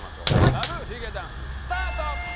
ラブヒゲダンススタート！